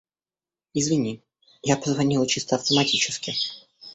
Извини, я позвонила чисто автоматически.